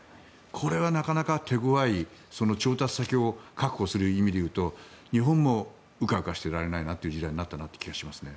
これはなかなか手ごわい調達先を確保する意味で言うと日本もうかうかしていられないなという時代になったなと思いますね。